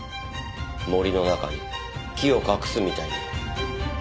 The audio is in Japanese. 森の中に木を隠すみたいに。